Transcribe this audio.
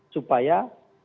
supaya yang ditarget